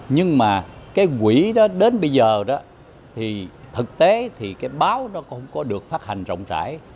nhưng mà cái quỹ đó đến bây giờ đó thì thực tế thì cái báo nó cũng có được phát hành rộng rãi